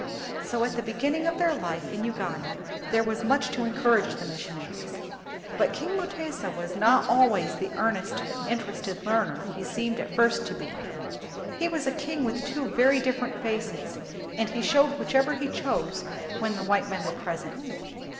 So at the beginning of their life in Ugan da there was much to encourage the mis sionaries. But King Mutesa was not always the earnest, interested learner he seemed at first to be. He was a king with two very different faces, and he showed whichever he chose when the white men were present.